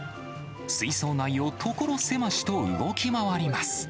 水槽内を所狭しと動き回ります。